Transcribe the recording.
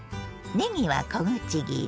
ねぎは小口切り。